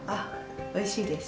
おいしいです。